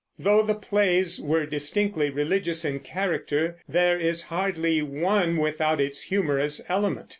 Though the plays were distinctly religious in character, there is hardly one without its humorous element.